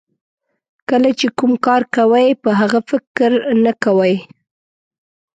کله چې کوم کار کوئ په هغه فکر نه کوئ.